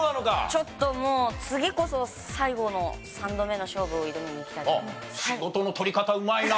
ちょっともう次こそ最後の３度目の勝負を挑みにいきたいと思います。